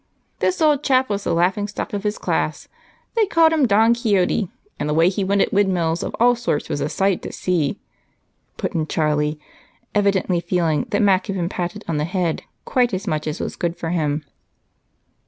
"This old chap was the laughingstock of his class. They called him Don Quixote, and the way he went at windmills of all sorts was a sight to see," put in Charlie, evidently feeling that Mac had been patted on the head quite as much as was good for him.